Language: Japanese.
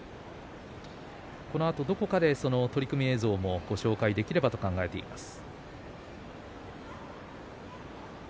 このあと、どこかでその取組の映像をご紹介できればと考えています。